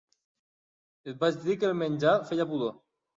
Et vaig dir que el menjar feia pudor.